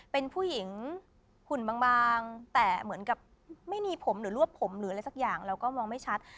เป็นผู้หญิงหุ่นบางแต่เหมือนกับไม่มีผมหรือรวบผมหรืออะไรสักอย่างเราก็มองไม่ชัด